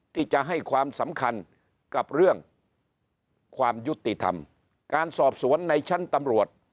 ที่จะให้ความสำคัญกับเรื่องความยุติธรรมการสอบสวนในชั้นตำรวจ